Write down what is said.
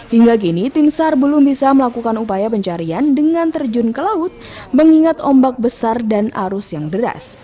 hingga kini tim sar belum bisa melakukan upaya pencarian dengan terjun ke laut mengingat ombak besar dan arus yang deras